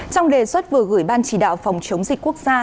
trong đề xuất vừa gửi ban chỉ đạo phòng chống dịch quốc gia